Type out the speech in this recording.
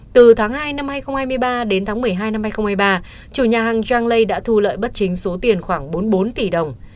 từ tháng hai năm hai nghìn hai mươi ba đến tháng một mươi hai năm hai nghìn hai mươi ba chủ nhà hàng zhang lei đã thu lợi bất chính số tiền khoảng bốn mươi bốn tỷ đồng